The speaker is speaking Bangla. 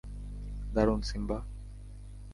দারুণ, সিম্বা!